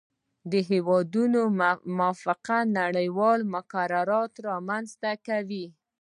د هیوادونو موافقه نړیوال مقررات رامنځته کوي